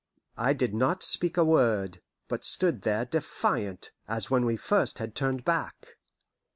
I did not speak a word, but stood there defiant, as when we first had turned back.